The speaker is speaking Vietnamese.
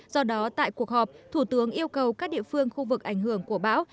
do đó tại cuộc họp thủ tướng yêu cầu các địa phương khu vực ảnh hưởng của bão